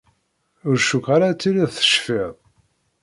Ur cukkeɣ ara ad tiliḍ tecfiḍ.